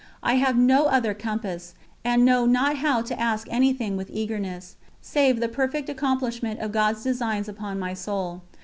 I have no other compass, and know not how to ask anything with eagerness, save the perfect accomplishment of God's designs upon my soul.